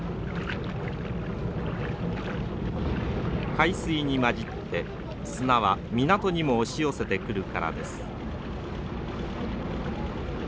海水に混じって砂は港にも押し寄せてくるからです。